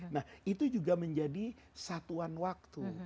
nah itu juga menjadi satuan waktu